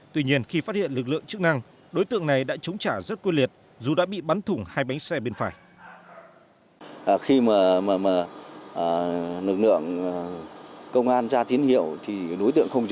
tuy nhiên khi phát hiện lực lượng chức năng đối tượng này đã chống trả rất quy liệt